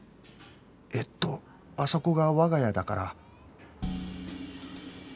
えっとあそこが我が家だから